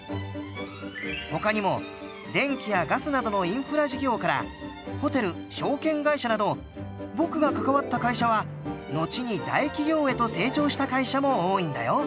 他にも電気やガスなどのインフラ事業からホテル証券会社など僕が関わった会社はのちに大企業へと成長した会社も多いんだよ。